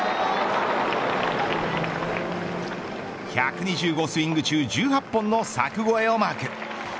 １２５スイング中１８本の柵越えをマーク。